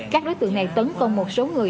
các đối tượng này tấn công một số người